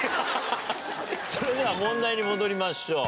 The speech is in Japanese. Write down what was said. それでは問題に戻りましょう。